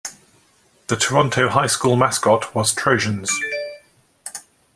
The Toronto High School mascot was Trojans.